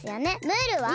ムールは？